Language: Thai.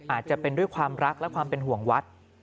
อาจจะเป็นด้วยความรักและความเป็นห่วงวัด